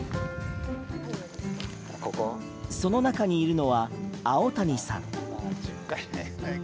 その中にいるのは青谷さん。